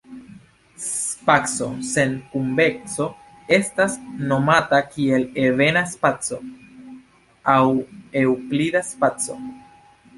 Spaco sen kurbeco estas nomata kiel "ebena spaco" aŭ eŭklida spaco.